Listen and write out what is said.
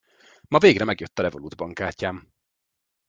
Ma végre megjött a Revolut bankkártyám.